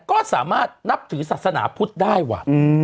ก็สามารถนับถือศาสนาพุทธได้ว่ะ